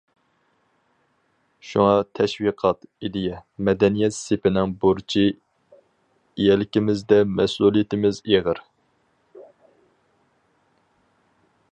شۇڭا، تەشۋىقات، ئىدىيە، مەدەنىيەت سېپىنىڭ بۇرچى يەلكىمىزدە مەسئۇلىيىتىمىز ئېغىر.